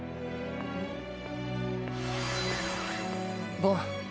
ボン。